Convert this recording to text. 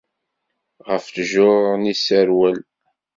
Ɣef ttjur n yiseṛwel.